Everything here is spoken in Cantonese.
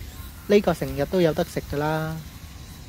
哩個成日都有得食嫁啦